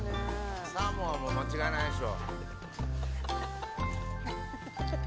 サーモンはもう間違いないでしょ。